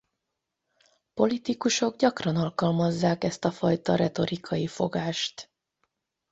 Politikusok gyakran alkalmazzák ezt a fajta retorikai fogást.